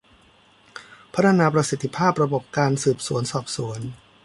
พัฒนาประสิทธิภาพระบบการสืบสวนสอบสวน